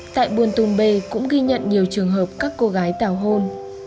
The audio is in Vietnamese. tại buôn tùng bê cũng ghi nhận nhiều trường hợp các cô gái tào hôn